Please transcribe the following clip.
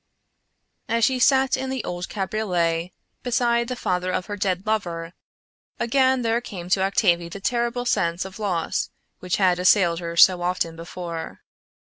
As she sat in the old cabriolet beside the father of her dead lover, again there came to Octavie the terrible sense of loss which had assailed her so often before.